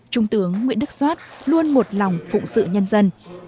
trung tướng nguyễn đức soát luôn một lòng phụng sự nhân dân